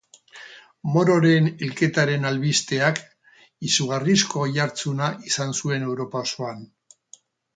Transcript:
Mororen hilketaren albisteak izugarrizko oihartzuna izan zuen Europa osoan.